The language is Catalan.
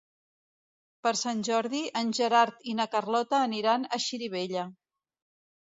Per Sant Jordi en Gerard i na Carlota aniran a Xirivella.